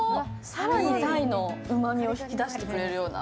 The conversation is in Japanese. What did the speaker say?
更に鯛のうまみを引き出してくれるような。